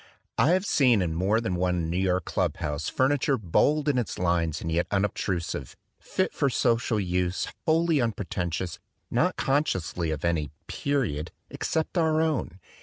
I have seen in more than one New York club house furniture bold in its lines and yet un obtrusive, fit for its social use, wholly unpre tentious, not consciously of any "period" except our own.